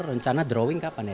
rencana drawing kapan ya